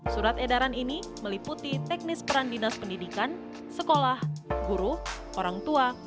surat edaran ini meliputi teknis peran dinas pendidikan sekolah guru orang tua